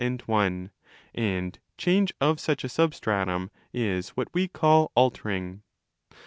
and one; and change of such a substratum is what we call 'altering'.